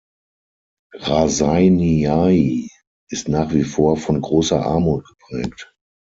Raseiniai ist nach wie vor von großer Armut geprägt.